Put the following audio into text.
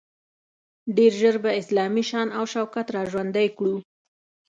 ډیر ژر به اسلامي شان او شوکت را ژوندی کړو.